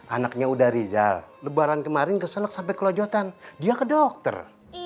anaknya udah rizal lebaran kemarin ke solok sampai kelojotan dia ke dokter